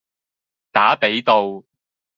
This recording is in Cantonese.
打比道